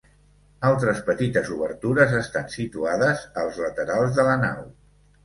Altres petites obertures estan situades als laterals de la nau.